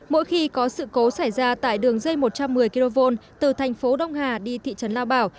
mỗi khi có sự cố xảy ra tại đường dây một trăm một mươi kv từ thành phố đông hà đi thị trấn lao bảo